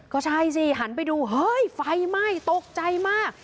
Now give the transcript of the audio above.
ก็ใช่สิหันไปดูเฮ้ยไฟไหม้ตกใจมาก